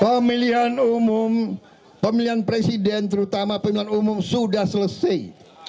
pemilihan umum pemilihan presiden terutama pemilihan umum sudah selesai